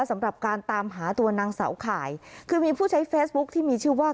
สำหรับการตามหาตัวนางเสาข่ายคือมีผู้ใช้เฟซบุ๊คที่มีชื่อว่า